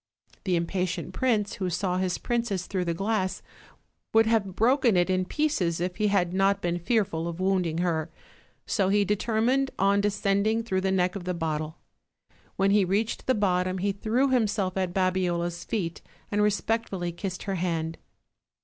The impatient prince, who saw his princess through the glass, would have broken it in pieces if he had not been fearful of wounding her; so he determined on de scending through the neck of the bottle. When he reached the bottom he threw himself at Babiola's feet and respectfully kissed her hand.